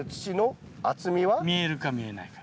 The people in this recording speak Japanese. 見えるか見えないか。